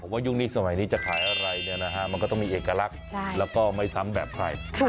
ว่ายุคนี้สมัยนี้จะขายอะไรเนี่ยนะฮะมันก็ต้องมีเอกลักษณ์แล้วก็ไม่ซ้ำแบบใคร